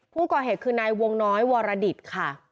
ผู้ก่อเหตุคือนายวงน้อยวรดิตค่ะ